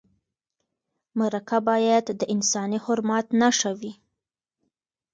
مرکه باید د انساني حرمت نښه وي.